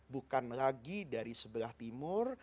bukan lagi dari sebelah timur